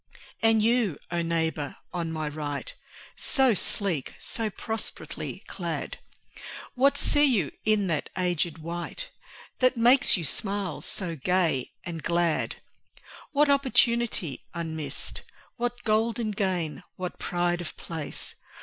And you, O neighbour on my right So sleek, so prosperously clad! What see you in that aged wight That makes your smile so gay and glad? What opportunity unmissed? What golden gain, what pride of place?